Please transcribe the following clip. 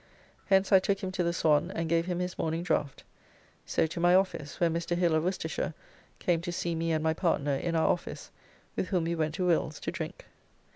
Hence I took him to the Swan and gave him his morning draft. So to my office, where Mr. Hill of Worcestershire came to see me and my partner in our office, with whom we went to Will's to drink.